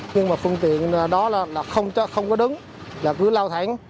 nhưng mà phương tiện đó là không có đứng và cứ lao thẳng